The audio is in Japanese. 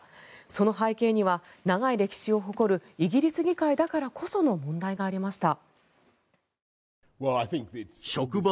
その背景には長い歴史を誇るイギリス議会だからこその問題がありました。